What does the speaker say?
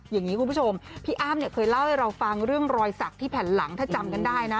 อย่างนี้คุณผู้ชมพี่อ้ำเนี่ยเคยเล่าให้เราฟังเรื่องรอยสักที่แผ่นหลังถ้าจำกันได้นะ